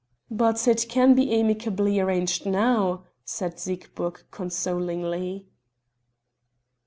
"But it can be amicably arranged now," said Siegburg consolingly.